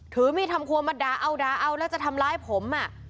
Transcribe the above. ถือมีทำความมาดาเอาแล้วจะทำร้ายผม